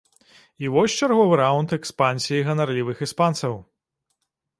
І вось чарговы раунд экспансіі ганарлівых іспанцаў.